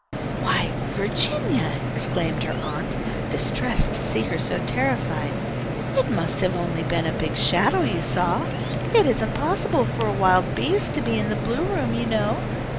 "Why, Virginia," exclaimed her aunt, distressed to see her so terrified, "it must have been only a big shadow you saw. It isn't possible for a wild beast to be in the blue room you know.